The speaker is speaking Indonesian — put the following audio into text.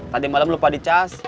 tadi malam lupa dicast